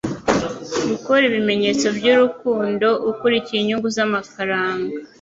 gukora ibimenyetso by'urukundo ukurikiye inyungu z'amafaranga